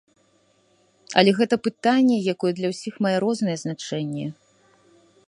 Але гэта пытанне, якое для ўсіх мае рознае значэнне.